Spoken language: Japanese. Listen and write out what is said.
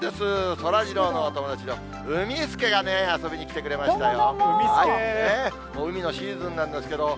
そらジローのお友達のうみスケがね、遊びに来てくれましたよ。